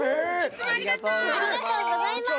ありがとうございます。